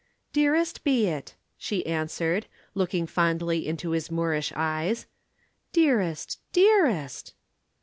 "Dearest be it," she answered, looking fondly into his Moorish eyes. "Dearest! Dearest!"